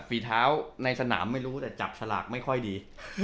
ฝีเท้าในสนามไม่รู้แต่จับสลากไม่ค่อยดี